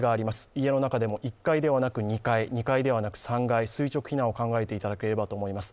家の中でも１階ではなく２階、２階ではなく３階、垂直避難を考えていただければと思います。